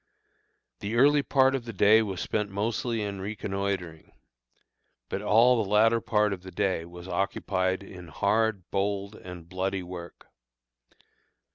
The early part of the day was spent mostly in reconnoitring; but all the latter part of the day was occupied in hard, bold, and bloody work.